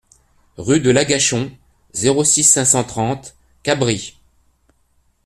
Rue de l'Agachon, zéro six, cinq cent trente Cabris